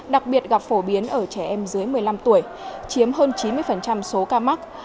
đặc biệt gặp phổ biến ở trẻ em dưới một mươi năm tuổi chiếm hơn chín mươi số ca mắc